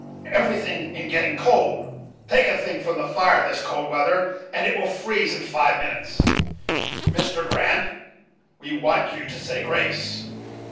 Everything in getting cold. Take a thing from the fire this cold weather, and it will freeze in five minutes. Mr. Grant, we want you to say grace.